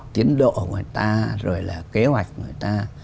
tiến độ của người ta rồi là kế hoạch người ta